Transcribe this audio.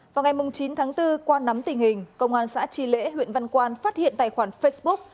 vào ngày chín tháng bốn qua nắm tình hình công an xã tri lễ huyện văn quan phát hiện tài khoản facebook